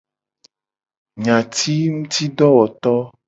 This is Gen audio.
Nyatingutidowoto.